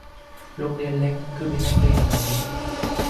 โรงเรียนเล็กคือมีนักเรียนน้อย